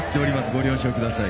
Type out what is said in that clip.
ご了承ください。